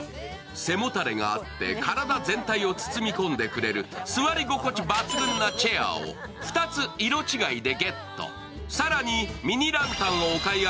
背もたれがあって体全体を包み込んでくれる座り心地抜群なチェアを２つ、色違いでゲット。